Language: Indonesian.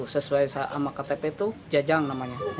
sesuai sama ktp itu jajang namanya